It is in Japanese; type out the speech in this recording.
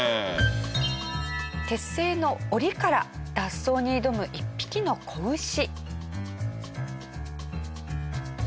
鉄製の檻から脱走に挑む１匹の子牛。